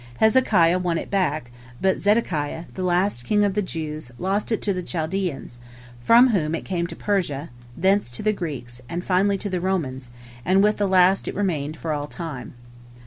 Hezekiah won it back, but Zedekiah, the last king of the Jews, lost it to the Chaldeans, from whom it came to Persia, thence to the Greeks, and finally to the Romans, and with the last it remained for all time.